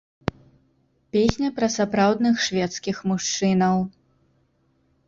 Песня пра сапраўдных шведскіх мужчынаў.